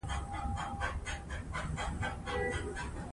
رسوب د افغانانو لپاره په معنوي لحاظ ډېر ارزښت لري.